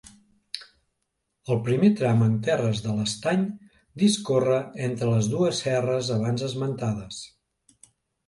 El primer tram en terres de l'Estany discorre entre les dues serres abans esmentades.